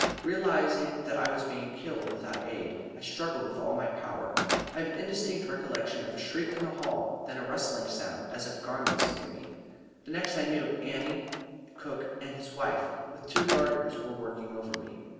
Realizing that I was being killed without aid, I struggled with all my power. I have an indistinct recollection of a shriek in the hall, then a rustling sound, as of garments, near me. The next I knew, Annie, Cook and his wife, with two gardeners, were working over me.